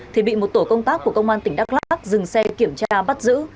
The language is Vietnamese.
thì bị một tổ công tác của công an tỉnh đắk lắc dừng xe kiểm tra bắt giữ